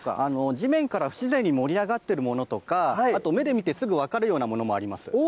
地面から不自然に盛り上がってるものとか、あと目で見てすぐ分かるようなものもあります。